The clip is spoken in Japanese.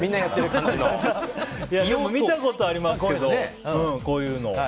見たことありますけどこういうの。